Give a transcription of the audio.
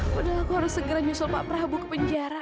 padahal aku harus segera consult pak prabu kepenjaraan